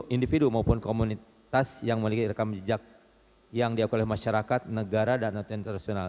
individu maupun komunitas yang memiliki rekam jejak yang diakui oleh masyarakat negara dan internasional